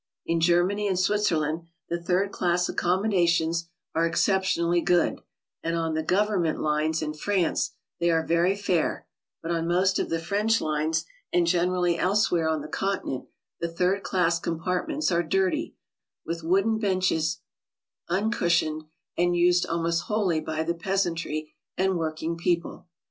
In Germany and Switzerland the third class accommodations are exceptionally good, and on the '^Government lines" in France they are very fair, but on most of the French lines and generally elsewhere on the Continent the third class compartments are dirty, with wooden benches uncushioned, and used almost wholly by the peasantry and working people.